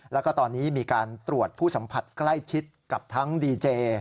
แล้วก็ตอนนี้มีการตรวจผู้สัมผัสใกล้ชิดกับทั้งดีเจ